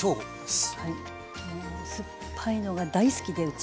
もう酸っぱいのが大好きでうち。